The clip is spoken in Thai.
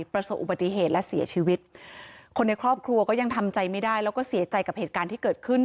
ประสบอุบัติเหตุและเสียชีวิตคนในครอบครัวก็ยังทำใจไม่ได้แล้วก็เสียใจกับเหตุการณ์ที่เกิดขึ้น